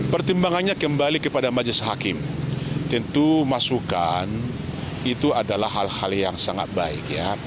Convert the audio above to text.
pertimbangannya kembali kepada majlis hakim tentu masukan itu adalah hal hal yang sangat baik